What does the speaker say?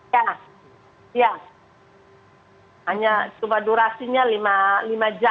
ya ya hanya cuma durasinya lima jam